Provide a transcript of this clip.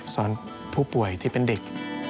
ผู้ป่วยที่เป็นเด็ก